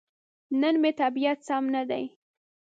نن مې طبيعت سم ندی.